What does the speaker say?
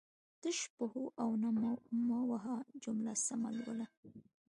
تش په هو او نه مه وهه جمله سمه لوله